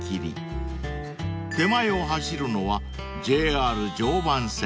［手前を走るのはＪＲ常磐線］